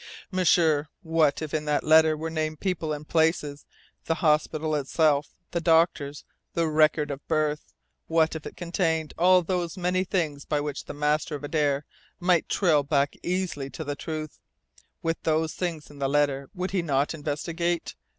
"M'sieur, what if in that letter were named people and places: the hospital itself, the doctors, the record of birth? What if it contained all those many things by which the master of Adare might trail back easily to the truth? With those things in the letter would he not investigate?